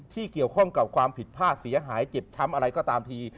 ที่เกี่ยวข้องกับความผิดพลาดเสียหายเจ็บช้ำอะไรก็ตามที